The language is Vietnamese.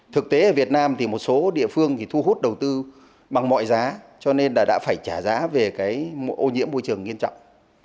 thực tế ở việt nam thì một số địa phương thì thu hút đầu tư bằng mọi giá cho nên là đã phải trả giá về cái ô nhiễm môi trường nghiêm trọng